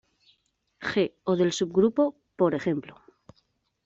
G o del subgrupo: p.ej.